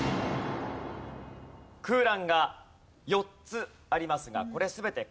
空欄が４つありますがこれ全て漢字です。